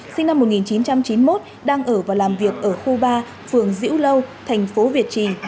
sinh năm một nghìn chín trăm chín mươi một đang ở và làm việc ở khu ba phường diễu lâu thành phố việt trì